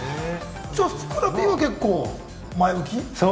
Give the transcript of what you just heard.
ふくらＰは結構前向き？